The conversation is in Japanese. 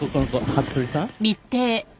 服部さん。